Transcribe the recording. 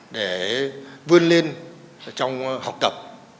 để vươn lên trong học tập